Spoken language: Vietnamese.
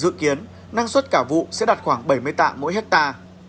dự kiến năng suất cả vụ sẽ đạt khoảng bảy mươi tạ mỗi hectare